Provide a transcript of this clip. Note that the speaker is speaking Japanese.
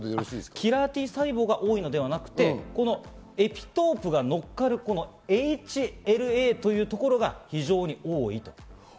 キラーＴ細胞が多いのではなくて、エピトープが乗っかるこのＨＬＡというところが異常に多いと。